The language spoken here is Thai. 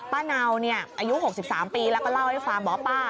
เนาอายุ๖๓ปีแล้วก็เล่าให้ฟังบอกว่าป้า